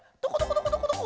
どこどこどこ？